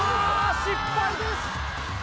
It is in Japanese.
失敗です